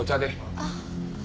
あっ。